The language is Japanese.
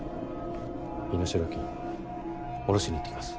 身代金下ろしに行ってきます。